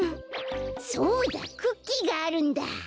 そうだクッキーがあるんだ。